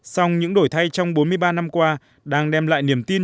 song những đổi thay trong bốn mươi ba năm qua đang đem lại niềm tin